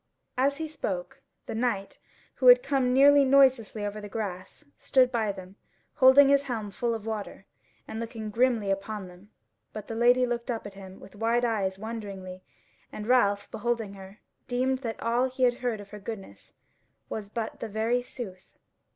As he spoke the knight, who had come nearly noiselessly over the grass, stood by them, holding his helm full of water, and looking grimly upon them; but the Lady looked up at him with wide eyes wonderingly, and Ralph, beholding her, deemed that all he had heard of her goodness was but the very sooth.